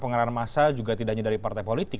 pengarahan masa juga tidak hanya dari partai politik